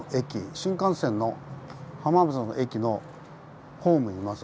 新幹線の浜松の駅のホームにいますが。